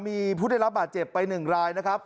มีผู้ได้รับบาดเจ็บไป๑รายนะครับ